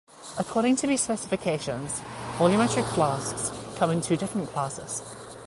According to these specifications, volumetric flasks come in two different classes.